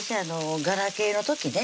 ガラケーの時ね